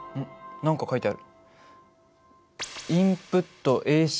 何か書いてある。